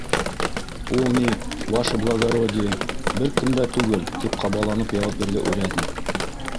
— Ул ни, Ваше благородие, бер кем дә түгел, — тип ҡабаланып яуап бирҙе урядник.